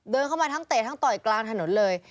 เดินเข้ามาทั้งเตะทั้งต่อยกลางถนนเลย